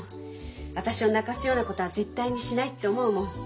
私を泣かすようなことは絶対にしないって思うもん。